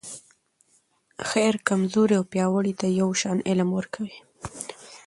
خير کمزورې او پیاوړي ته یو شان علم ورکوي.